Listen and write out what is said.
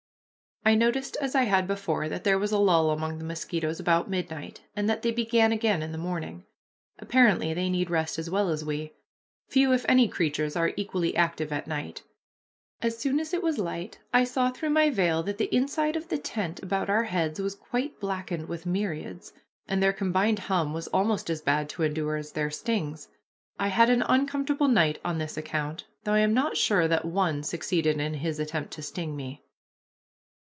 I noticed, as I had before, that there was a lull among the mosquitoes about midnight, and that they began again in the morning. Apparently they need rest as well as we. Few, if any, creatures are equally active all night. As soon as it was light I saw, through my veil, that the inside of the tent about our heads was quite blackened with myriads, and their combined hum was almost as bad to endure as their stings. I had an uncomfortable night on this account, though I am not sure that one succeeded in his attempt to sting me.